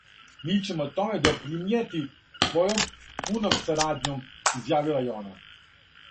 "Ми ћемо томе допринијети својом пуном сарадњом," изјавила је она."